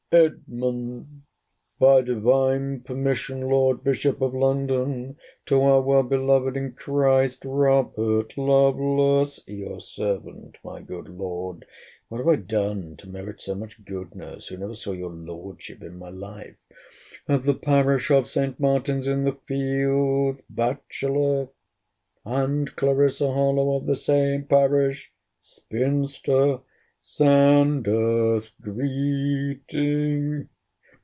'Edmund, by divine permission, Lord Bishop of London, to our well beloved in Christ, Robert Lovelace, [your servant, my good Lord! What have I done to merit so much goodness, who never saw your Lordship in my life?] of the parish of St. Martin's in the Fields, bachelor, and Clarissa Harlowe, of the same parish, spinster, sendeth greeting.